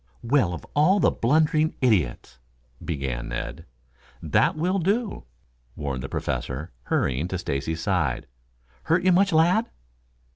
"Well, of all the blundering idiots " began Ned. "That will do," warned the Professor, hurrying to Stacy's side. "Hurt you much, lad?"